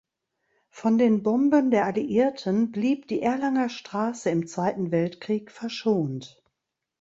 Von den Bomben der Alliierten blieb die Erlanger Straße im Zweiten Weltkrieg verschont.